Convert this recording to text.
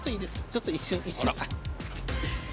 ちょっと一瞬一瞬。